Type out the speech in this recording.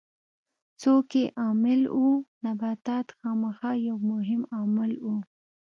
څوک یې عامل وو؟ نباتات خامخا یو مهم عامل و.